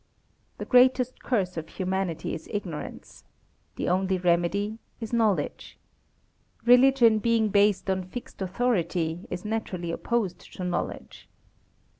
The greatest curse of humanity is ignorance. The only remedy is knowledge. Religion, being based on fixed authority, is naturally opposed to knowledge.